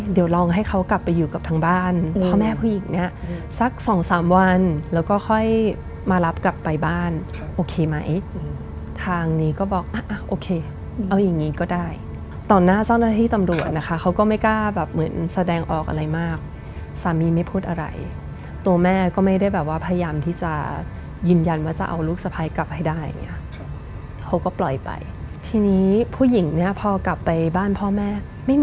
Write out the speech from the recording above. เดี๋ยวลองให้เขากลับไปอยู่กับทางบ้านพ่อแม่ผู้หญิงเนี้ยสักสองสามวันแล้วก็ค่อยมารับกลับไปบ้านค่ะโอเคไหมอืมทางนี้ก็บอกอ่ะอ่ะโอเคเอาอย่างงี้ก็ได้ตอนหน้าเจ้าหน้าที่ตำรวจนะคะเขาก็ไม่กล้าแบบเหมือนแสดงออกอะไรมากสามีไม่พูดอะไรตัวแม่ก็ไม่ได้แบบว่าพยายามที่จะยืนยันว่าจะเอาลูกสะพายกลับให้ได้อย่างเ